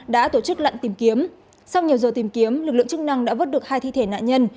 đã tổ chức lặn tìm kiếm sau nhiều giờ tìm kiếm lực lượng chức năng đã vớt được hai thi thể nạn nhân